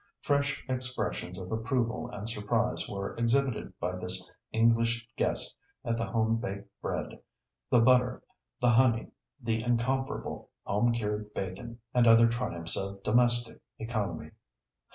Fresh expressions of approval and surprise were exhibited by this English guest at the home baked bread, the butter, the honey, the incomparable home cured bacon, and other triumphs of domestic economy.